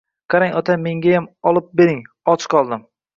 – Qarang, ota, mengayam olib bering, och qoldim.